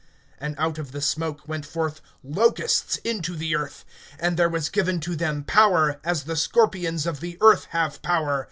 (3)And out of the smoke went forth locusts into the earth; and there was given to them power, as the scorpions of the earth have power.